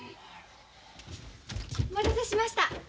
お待たせしました。